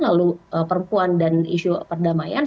lalu perempuan dan isu perdamaian